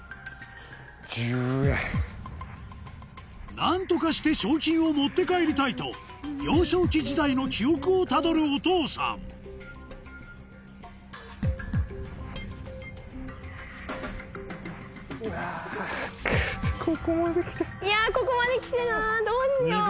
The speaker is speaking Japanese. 何とかして賞金を持って帰りたいと幼少期時代の記憶をたどるお父さんここまで来てなぁ。